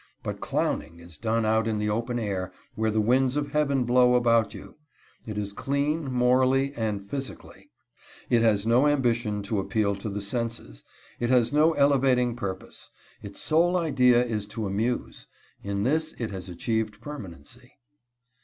But clowning is done out in the open air, where the winds of heaven blow about you! It is clean, morally and physically. It has no ambition to appeal to the senses; it has no elevating purpose; its sole idea is to amuse. In this it has achieved permanency.